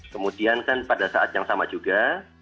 kemudian kan pada saat yang sama juga